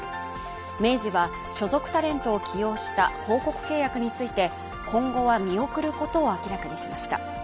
明治は所属タレントを起用した広告契約について、今後は見送ることを明らかにしました。